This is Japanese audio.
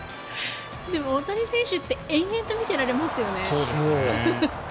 でも、大谷選手って永遠と見てられますよね。